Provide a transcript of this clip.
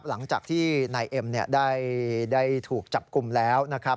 หลังจากที่นายเอ็มได้ถูกจับกลุ่มแล้วนะครับ